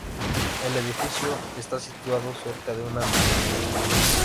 El edificio está situado cerca de una mezquita.